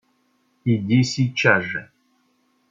Иди сейчас же!